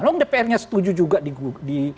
dong dpr nya setuju juga di